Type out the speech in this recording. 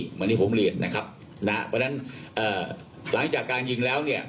เหมือนที่ผมเรียนนะครับนะฮะเพราะฉะนั้นเอ่อหลังจากการยิงแล้วเนี่ย